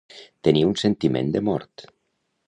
Tenir un sentiment de mort.